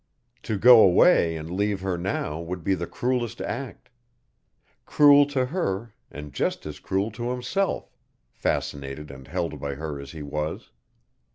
To go away and leave her now would be the cruelest act. Cruel to her and just as cruel to himself, fascinated and held by her as he was.